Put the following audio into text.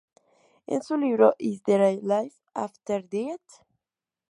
En su libro "Is There Life After Death?